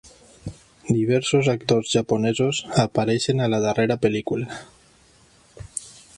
Diversos actors japonesos apareixen a la darrera pel·lícula.